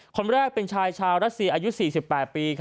คนแรกเป็นชายชาวรัสเซียอายุ๔๘ปี